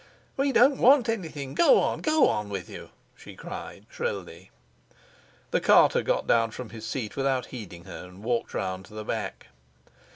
"We don't want anything: go on, go on with you!" she cried shrilly. The carter got down from his seat without heeding her, and walked round to the back.